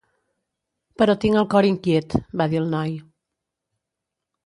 "Però tinc el cor inquiet" va dir el noi.